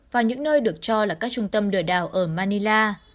và những nơi được cho là các trung tâm lừa đảo ở manila